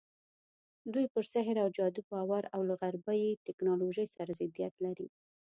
دوی پر سحر او جادو باور او له غربي ټکنالوژۍ سره ضدیت لري.